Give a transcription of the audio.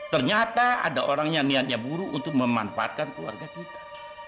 ternyata ada orang yang niatnya buruk untuk memanfaatkan keluarga kita